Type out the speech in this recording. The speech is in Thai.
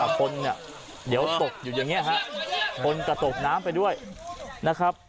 คนเนี่ยเดี๋ยวตกอยู่อย่างนี้ฮะบนกระตกน้ำไปด้วยนะครับ